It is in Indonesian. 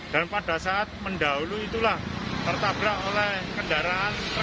dan pada saat mendahulu itulah tertabrak oleh kendaraan